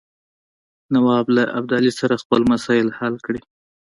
نواب له ابدالي سره خپل مسایل حل کړي.